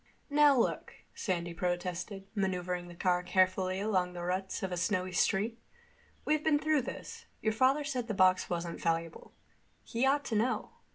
"Now, look," Sandy protested, maneuvering the car carefully along the ruts of a snowy street. "We've been through this. Your father said the box wasn't valuable. He ought to know.